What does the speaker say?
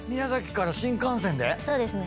そうですね。